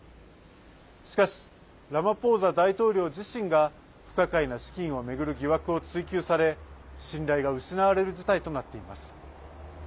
しかし、ラマポーザ大統領自身が不可解な資金を巡る疑惑を追及され信頼が失われる事態となっています。